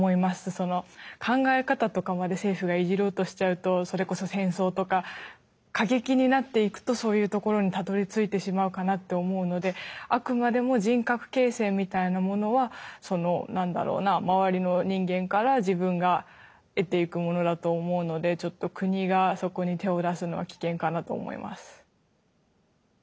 その考え方とかまで政府がいじろうとしちゃうとそれこそ戦争とか過激になっていくとそういうところにたどりついてしまうかなって思うのであくまでも人格形成みたいなものはその何だろうな周りの人間から自分が得ていくものだと思うのでちょっと国がそこに手を出すのは危険かなと思います。